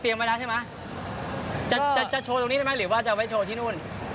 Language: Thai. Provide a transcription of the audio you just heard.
เตรียมไปแล้วใช่ไหมจะโชว์ตรงนี้ได้ไหมหรือว่าจะไปโชว์ที่นู้น